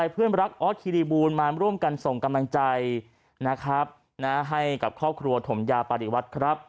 เพื่อนรักออสคิริบูลมาร่วมการส่งกำลังใจให้กับครอบครัวถมยาปริวัติ